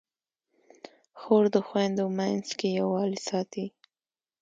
خور د خویندو منځ کې یووالی ساتي.